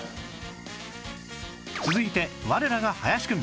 続いて我らが林くん